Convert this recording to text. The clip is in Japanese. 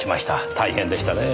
大変でしたねぇ。